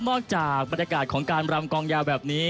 บรรยากาศของการรำกองยาวแบบนี้